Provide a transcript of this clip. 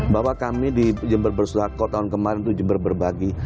bahwa kami di jember bersulako tahun kemarin itu jember berbagi